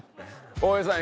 大江さん